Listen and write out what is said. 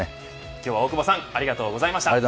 今日は大久保さんありがとうございました。